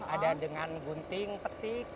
ada dengan gunting peti